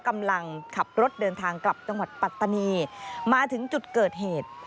กำลังขับรถเดินทางกลับจังหวัดปัตตานีมาถึงจุดเกิดเหตุ